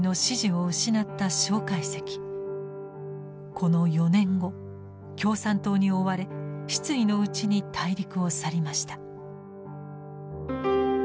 この４年後共産党に追われ失意のうちに大陸を去りました。